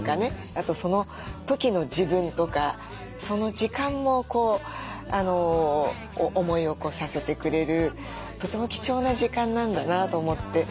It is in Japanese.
あとその時の自分とかその時間も思い起こさせてくれるとても貴重な時間なんだなと思って。